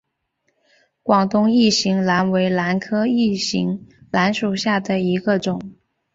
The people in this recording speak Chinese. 广东异型兰为兰科异型兰属下的一个种。